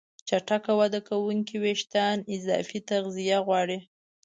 چټک وده کوونکي وېښتيان اضافي تغذیه غواړي.